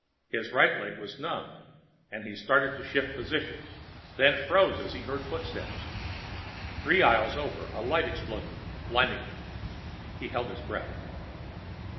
His right leg was numb and he started to shift position, then froze as he heard footsteps. Three aisles over, a light exploded, blindingly. He held his breath.